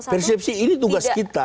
persepsi ini tugas kita